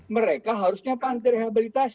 mereka harusnya panggilan direhabilitasi